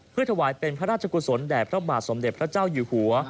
เพื่อถวายเป็นพระราชกุศลแด่พระบาทสมเด็จพระเจ้าอยู่หัว